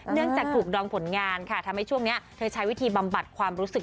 จากถูกดองผลงานค่ะทำให้ช่วงนี้เธอใช้วิธีบำบัดความรู้สึก